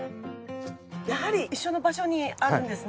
やはり一緒の場所にあるんですね。